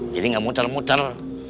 jadi gak muter muter